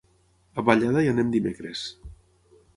A Vallada hi anem dimecres.